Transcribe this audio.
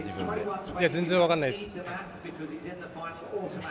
いや、全然分かんないです。